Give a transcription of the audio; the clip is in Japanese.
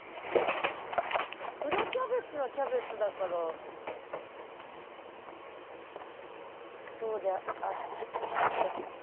黒キャベツはキャベツだからそうであってほしい。